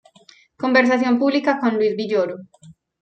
Conversación pública con Luis Villoro.